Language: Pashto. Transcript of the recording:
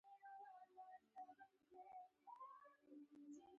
پر اسمان بیا وریځې اخوا دیخوا کیدې.